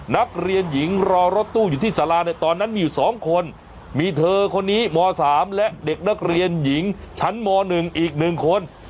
นักเรียนหญิงรอรถตู้อยู่ที่สาราในตอนนั้นมีอยู่๒คนมีเธอคนนี้ม๓และเด็กนักเรียนหญิงชั้นม๑อีก๑คน